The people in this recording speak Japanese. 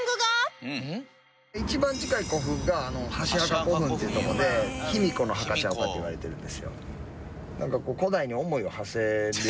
一番近い古墳が箸墓古墳っていうとこで卑弥呼の墓ちゃうかっていわれてるんですよ。